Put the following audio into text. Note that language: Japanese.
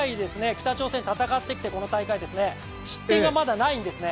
北朝鮮戦ってきて、失点がまだないんですね。